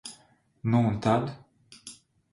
Nu un tad?